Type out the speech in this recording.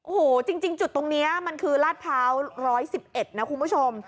โอ้โหจริงจุดตรงนี้มันคือลาดพร้าว๑๑๑นะคุณผู้ชม